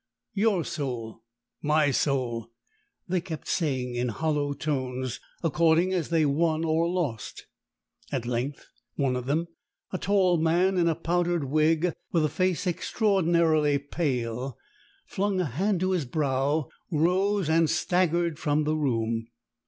"Your soul!" "My soul!" they kept saying in hollow tones, according as they won or lost. At length one of them a tall man in a powdered wig, with a face extraordinarily pale flung a hand to his brow, rose and staggered from the room.